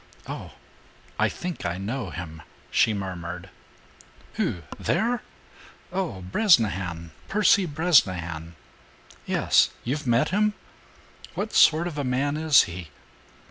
"Oh! I think I know him," she murmured. "Who? There? Oh, Bresnahan, Percy Bresnahan." "Yes. You've met him? What sort of a man is he?"